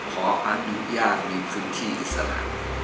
ขออนุญาตในพื้นที่อิสระ